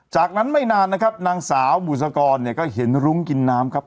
จากนั้นไม่นานนะครับนางสาวบุษกรเนี่ยก็เห็นรุ้งกินน้ำครับ